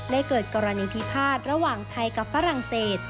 เกิดกรณีพิพาทระหว่างไทยกับฝรั่งเศส